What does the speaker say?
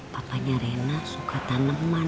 papanya rena suka tanaman